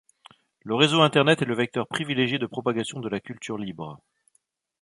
Le réseau internet est le vecteur privilégié de propagation de la culture libre.